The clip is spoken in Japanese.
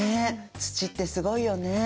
土ってすごいよね。